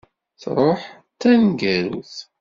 Truḥ d taneggarut.